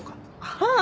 ああ。